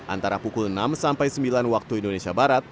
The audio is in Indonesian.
antara pukul enam sampai sembilan waktu indonesia barat